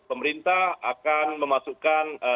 pemerintah akan memasukkan